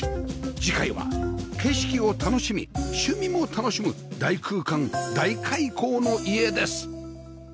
次回は景色を楽しみ趣味も楽しむ大空間・大開口の家です